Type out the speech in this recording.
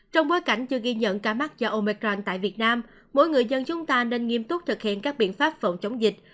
trong bối cảnh chưa ghi nhận ca mắc do omecran tại việt nam mỗi người dân chúng ta nên nghiêm túc thực hiện các biện pháp phòng chống dịch